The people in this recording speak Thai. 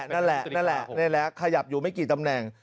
นั่นแหละขยับอยู่ไม่กี่ตำแหน่ง